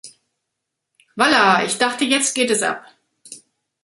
Wallah ich dachte jetzt geht es ab.